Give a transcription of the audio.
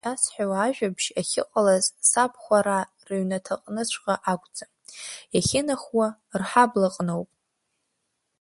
Абри ишәасҳәауа ажәабжь ахьыҟалаз сабхәараа рыҩнаҭаҟныҵәҟьа акәӡам, иахьынхауа рҳаблаҟны ауп.